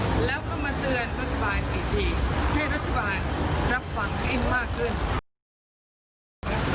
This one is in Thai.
ใช้ที่ความยิ่งมากขึ้น